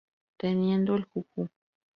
Teniendo el "juju".